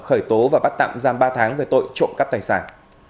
khởi tố và bắt tạm giam ba tháng về tội trộm cắp tài sản